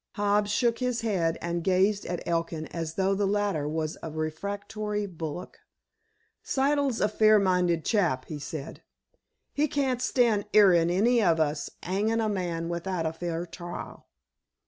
Hobbs shook his head, and gazed at Elkin as though the latter was a refractory bullock. "Siddle's a fair minded chap," he said. "He can't stand 'earin' any of us 'angin' a man without a fair trial."